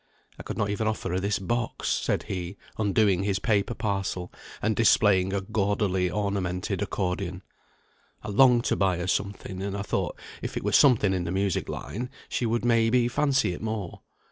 I could not even offer her this box," said he, undoing his paper parcel and displaying a gaudily ornamented accordion; "I longed to buy her something, and I thought, if it were something in the music line, she would may be fancy it more.